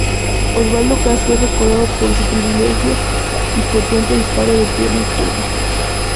Osvaldo Castro es recordado por su privilegiado y potente disparo de pierna izquierda.